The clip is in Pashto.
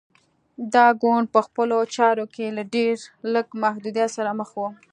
دا ګوند په خپلو چارو کې له ډېر لږ محدودیت سره مخ و.